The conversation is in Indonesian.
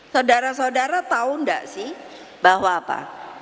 saudara saudara tahu nggak sih bahwa apa